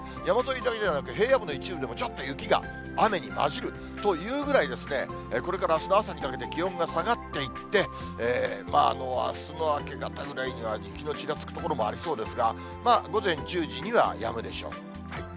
山沿いだけじゃなく、平野部の一部でも、ちょっと雪が雨に交じるというぐらい、これからあすの朝にかけて気温が下がっていって、あすの明け方ぐらいには、雪のちらつく所もありそうですが、午前１０時にはやむでしょう。